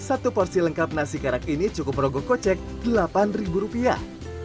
satu porsi lengkap nasi karak ini cukup merogoh kocek delapan ribu rupiah